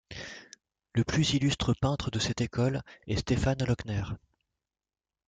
Le plus illustre peintre de cette école est Stefan Lochner.